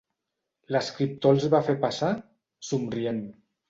L'escriptor els va fer passar, somrient.